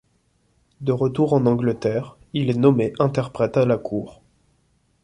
De retour en Angleterre, il est nommé interprète à la cour.